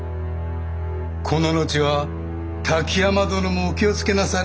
この後は滝山殿もお気を付けなされい。